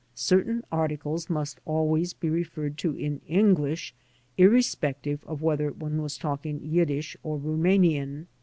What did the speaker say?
Certain articles must always be referred to in English, irrespec tive of whether one was talking Yiddish or Rumanian.